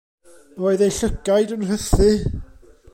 Roedd eu llygaid yn rhythu.